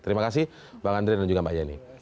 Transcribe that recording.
terima kasih bang andre dan juga mbak yeni